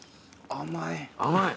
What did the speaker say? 甘い？